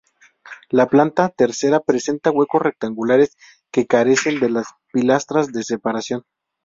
La planta tercera presenta huecos rectangulares que carecen de las pilastras de separación.